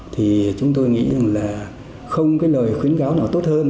thì chúng tôi nghĩ rằng là không cái lời khuyến cáo nào tốt hơn